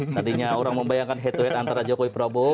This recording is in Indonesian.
tadinya orang membayangkan head to head antara jokowi prabowo